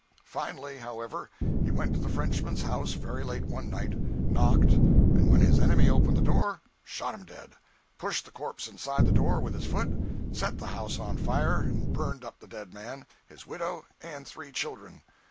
Finally, however, he went to the Frenchman's house very late one night, knocked, and when his enemy opened the door, shot him dead—pushed the corpse inside the door with his foot, set the house on fire and burned up the dead man, his widow and three children!